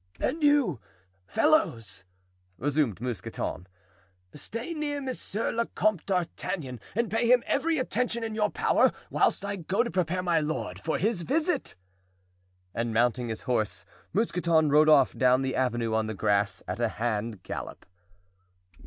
"And you—fellows," resumed Mousqueton, "stay near Monsieur le Comte d'Artagnan and pay him every attention in your power whilst I go to prepare my lord for his visit." And mounting his horse Mousqueton rode off down the avenue on the grass at a hand gallop.